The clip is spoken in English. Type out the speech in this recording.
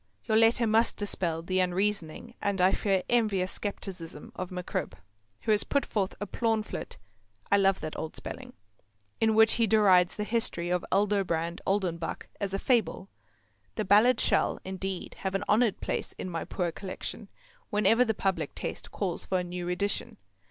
Your letter must dispel the unreasoning and I fear envious scepticism of MacCribb, who has put forth a plaunflet (I love that old spelling) in which he derides the history of Aldobrand Oldenbuck as a fable. The Ballad shall, indeed, have an honoured place in my poor Collection whenever the public taste calls for a new edition.